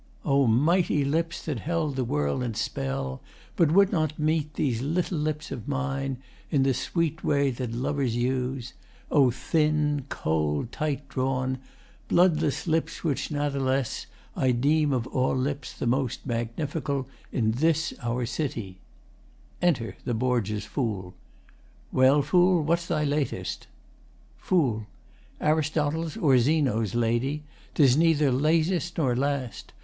O mighty lips that held the world in spell But would not meet these little lips of mine In the sweet way that lovers use O thin, Cold, tight drawn, bloodless lips, which natheless I Deem of all lips the most magnifical In this our city [Enter the Borgias' FOOL.] Well, Fool, what's thy latest? FOOL Aristotle's or Zeno's, Lady 'tis neither latest nor last.